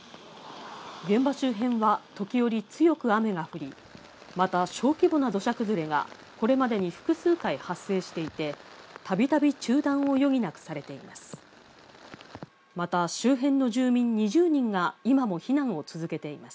現場周辺は時折、強く雨が降り、また小規模な土砂崩れがこれまでに複数回発生していて、度々中断を余儀なくされています。